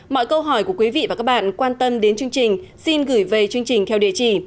mọi câu hỏi của quý vị và các bạn quan tâm đến chương trình xin gửi về chương trình theo địa chỉ